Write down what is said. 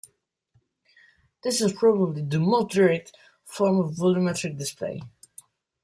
This is probably the most 'direct' form of volumetric display.